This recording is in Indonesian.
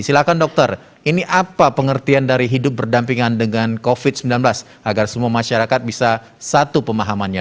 silahkan dokter ini apa pengertian dari hidup berdampingan dengan covid sembilan belas agar semua masyarakat bisa satu pemahamannya